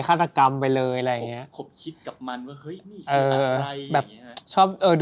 ฆาตรกรรมไปเลยอะไรเงี้ย